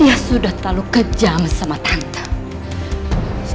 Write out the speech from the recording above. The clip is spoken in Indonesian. yang sudah terlalu kejam sama tante